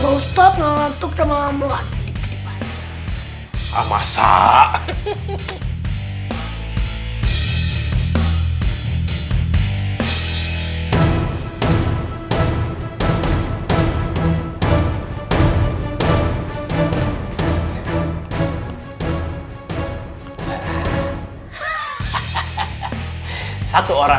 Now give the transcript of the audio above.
tapi ustadz ngantuk sama mambu ada di kecil kecilan